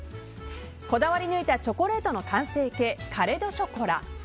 こだわり抜いたチョコレートの完成形、カレ・ド・ショコラ。